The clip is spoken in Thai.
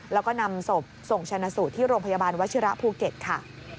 แล้วก็นำศพส่งชนะสูตรที่โรงพยาบาลวชิระภูเก็ตค่ะ